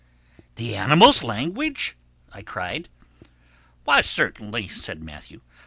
"The animals' language?" I cried. "Why certainly," said Matthew.